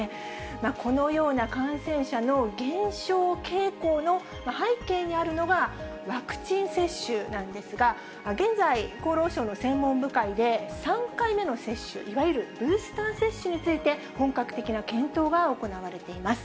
このような感染者の減少傾向の背景にあるのが、ワクチン接種なんですが、現在、厚労省の専門部会で、３回目の接種、いわゆるブースター接種について、本格的な検討が行われています。